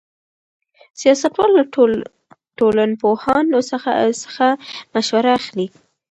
سیاستوال له ټولنپوهانو څخه مشوره اخلي.